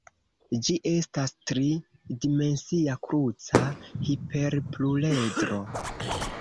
Ĝi estas tri-dimensia kruca hiperpluredro.